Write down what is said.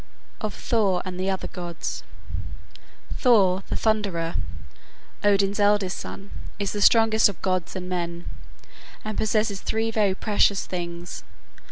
] OF THOR AND THE OTHER GODS Thor, the thunderer, Odin's eldest son, is the strongest of gods and men, and possesses three very precious things.